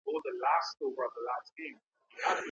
متلونه نوي نه دي جوړ سوي.